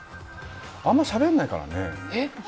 あんまりしゃべんないからね。